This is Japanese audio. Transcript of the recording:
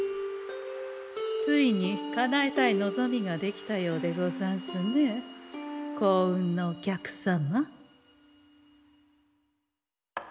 ついにかなえたい望みができたようでござんすね幸運のお客様。